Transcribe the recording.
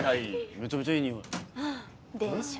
めちゃめちゃいい匂い。でしょ。